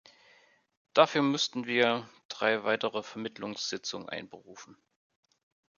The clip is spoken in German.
Dafür mussten wir drei weitere Vermittlungssitzungen einberufen.